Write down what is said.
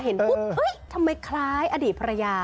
เห็นปุ๊บทำไมคล้ายอดีตประหยา